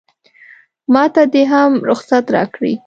ماته دې هم رخصت راکړي.